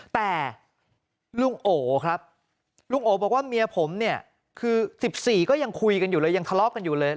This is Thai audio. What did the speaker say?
แต่ลุงโอครับลุงโอบอกว่าเมียผมเนี่ยคือ๑๔ก็ยังคุยกันอยู่เลยยังทะเลาะกันอยู่เลย